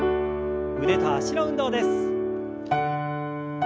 腕と脚の運動です。